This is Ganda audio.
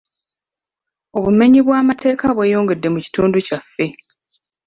Obumenyi bw'amateeka bweyongedde mu kitundu kyaffe.